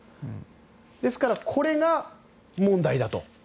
ですから、これが問題だと。